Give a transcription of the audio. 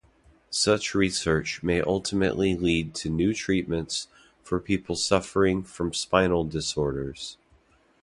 Such research may ultimately lead to new treatments for people suffering from spinal disorders.